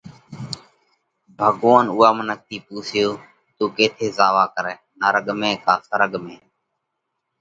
ڀڳوونَ اُوئا منک ٿِي پُونسيو: تُون ڪيٿئہ زاوَوا ڪرئه؟ نرڳ ۾ ڪا سرڳ ۾۔